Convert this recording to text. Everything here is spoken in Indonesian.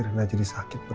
rena jadi sakit beneran